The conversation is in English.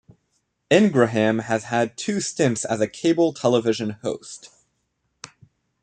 Ingraham has had two stints as a cable television host.